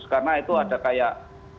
karena itu ada kayak